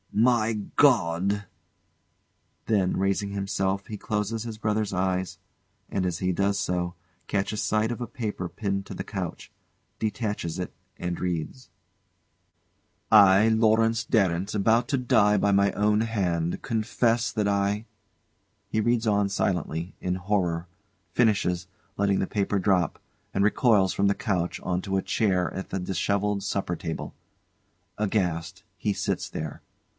] My God! [Then, raising himself, he closes his brother's eyes, and as he does so, catches sight of a paper pinned to the couch; detaches it and reads:] "I, Lawrence Darrant, about to die by my own hand confess that I " [He reads on silently, in horror; finishes, letting the paper drop, and recoils from the couch on to a chair at the dishevelled supper table. Aghast, he sits there.